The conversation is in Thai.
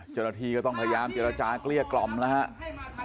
เจรฐีก็ต้องพยายามเจรจากลี้กล่อมนะฮะ